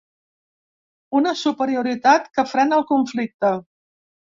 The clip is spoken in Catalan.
Una superioritat que frena el conflicte.